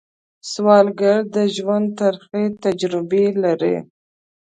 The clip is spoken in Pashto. سوالګر د ژوند ترخې تجربې لري